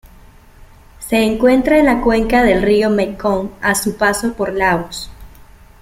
Se encuentra en la cuenca del río Mekong a su paso por Laos.